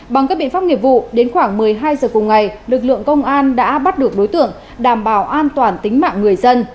bằng các biện pháp nghiệp vụ đến khoảng một mươi hai giờ cùng ngày lực lượng công an đã bắt được đối tượng đảm bảo an toàn tính mạng người dân